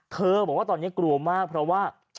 บอกว่าตอนนี้กลัวมากเพราะว่า